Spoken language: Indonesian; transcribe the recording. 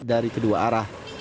dari kedua arah